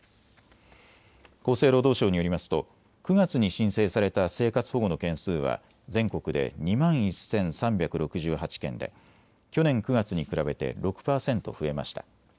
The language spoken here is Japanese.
厚生労働省によりますと９月に申請された生活保護の件数は全国で２万１３６８件で去年９月に比べて６％増えました。